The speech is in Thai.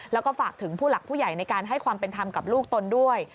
แล้วก็ฝากถึงผู้หลักผู้ใหญ่ในการให้ความเป็นธรรมกับลูกตนด้วย